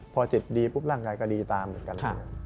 พอจิตดีปุ๊บร่างกายก็ดีตามเหมือนกัน